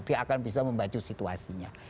dia akan bisa membantu situasinya